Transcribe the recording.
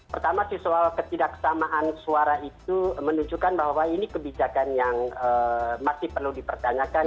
pertama sih soal ketidaksamaan suara itu menunjukkan bahwa ini kebijakan yang masih perlu dipertanyakan